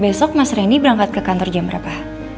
besok mas reni berangkat ke kantor jam berapa